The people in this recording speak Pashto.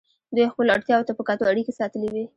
دوی خپلو اړتیاوو ته په کتو اړیکې ساتلې وې.